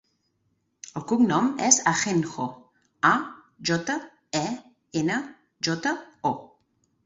El cognom és Ajenjo: a, jota, e, ena, jota, o.